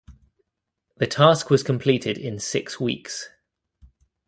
The task was completed in six weeks.